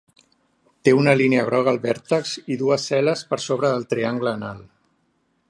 Té una línia groga al vèrtex i dues cel·les per sobre del triangle anal.